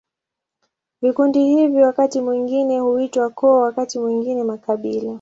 Vikundi hivi wakati mwingine huitwa koo, wakati mwingine makabila.